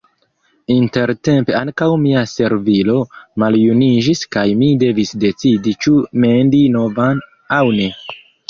Intertempe ankaŭ mia servilo maljuniĝis kaj mi devis decidi ĉu mendi novan aŭ ne.